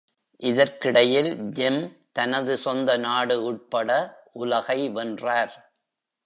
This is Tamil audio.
இதற்கிடையில், "ஜெம்" தனது சொந்த நாடு உட்பட உலகை வென்றார்.